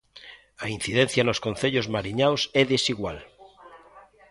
A incidencia nos concellos mariñaos é desigual.